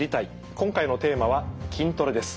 今回のテーマは「筋トレ」です。